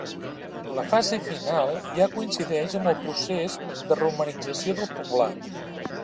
La fase final ja coincideix amb el procés de romanització del poblat.